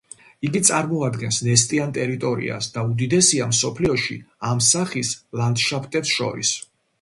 იგი წარმოადგენს ნესტიან ტერიტორიას და უდიდესია მსოფლიოში ამ სახის ლანდშაფტებს შორის.